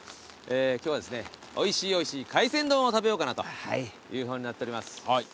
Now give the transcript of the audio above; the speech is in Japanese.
今日はおいしいおいしい海鮮丼を食べようかなということになっております。